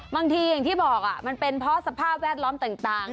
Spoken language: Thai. อย่างที่บอกมันเป็นเพราะสภาพแวดล้อมต่าง